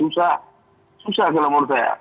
susah kalau menurut saya